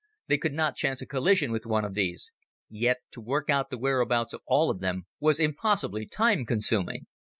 They could not chance a collision with one of these yet to work out the whereabouts of all of them was impossibly time consuming.